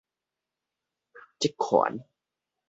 職權